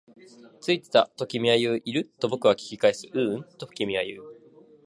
ついてた、と君は言う。いる？と僕は聞き返す。ううん、と君は言う。